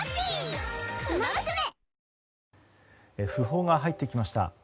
訃報が入ってきました。